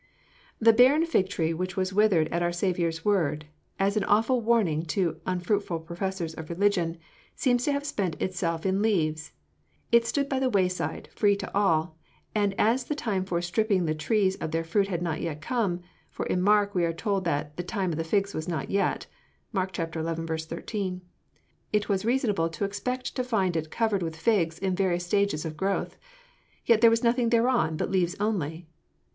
"The barren fig tree which was withered at our Saviour's word, as an awful warning to unfruitful professors of religion, seems to have spent itself in leaves. It stood by the wayside, free to all, and, as the time for stripping the trees of their fruit had not come for in Mark we are told that 'the time of figs was not yet' it was reasonable to expect to find it covered with figs in various stages of growth. Yet there was 'nothing thereon, but leaves only.'